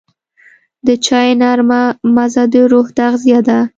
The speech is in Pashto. د چای نرمه مزه د روح تغذیه ده.